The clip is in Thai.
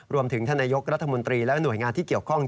ท่านนายกรัฐมนตรีและหน่วยงานที่เกี่ยวข้อง